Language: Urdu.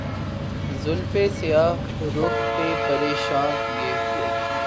زلفِ سیاہ رُخ پہ پریشاں کیے ہوئے